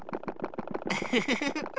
ウフフフ。